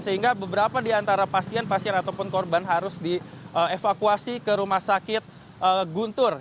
sehingga beberapa di antara pasien pasien ataupun korban harus dievakuasi ke rumah sakit guntur